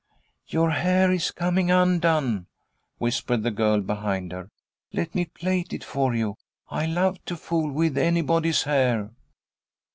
"Your hair is coming undone," whispered the girl behind her. "Let me plait it for you. I love to fool with anybody's hair."